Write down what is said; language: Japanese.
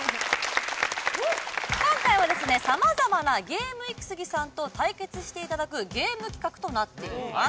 今回はですね様々なゲームイキスギさんと対決していただくゲーム企画となっています